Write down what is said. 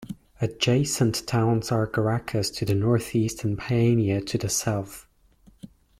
Adjacent towns are Gerakas to the northeast and Paiania to the south.